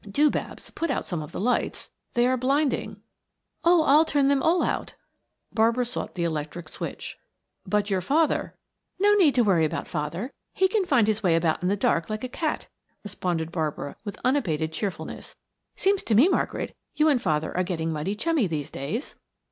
"Do, Babs, put out some of the lights; they are blinding." "Oh, I'll turn them all out" Barbara sought the electric switch. "But your father " "No need to worry about father; he can find his way about in the dark like a cat," responded Barbara with unabated cheerfulness. "Seems to me, Margaret, you and father are getting mighty chummy these days."